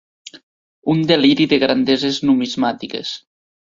Un deliri de grandeses numismàtiques